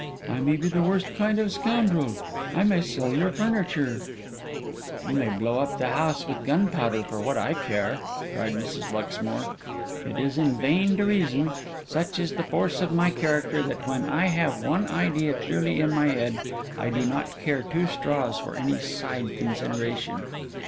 I may be the worst kind of scoundrel; I may sell your furniture—' 'You may blow up the house with gunpowder, for what I care!' cried Mrs. Luxmore. 'It is in vain to reason. Such is the force of my character that, when I have one idea clearly in my head, I do not care two straws for any side consideration.